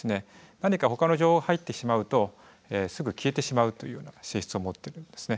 何かほかの情報が入ってしまうとすぐ消えてしまうというような性質を持ってるんですね。